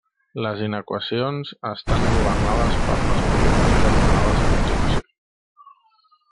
Les inequacions estan governades per les propietats anomenades a continuació.